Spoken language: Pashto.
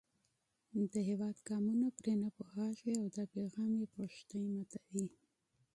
د هېواد قومونه پرې نه پوهېږي او دا پیغام یې پښتۍ ماتوي.